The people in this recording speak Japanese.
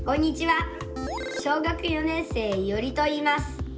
小学４年生いおりといいます。